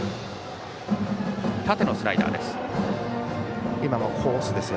縦のスライダーでした。